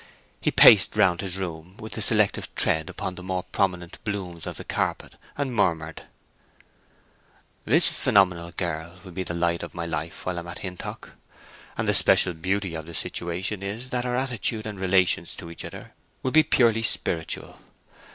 He paced round his room with a selective tread upon the more prominent blooms of the carpet, and murmured, "This phenomenal girl will be the light of my life while I am at Hintock; and the special beauty of the situation is that our attitude and relations to each other will be purely spiritual.